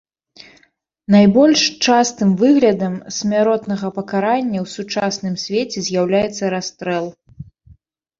Найбольш частым выглядам смяротнага пакарання ў сучасным свеце з'яўляецца расстрэл.